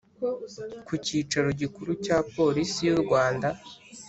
ku kicaro gikuru cya polisi y’u rwanda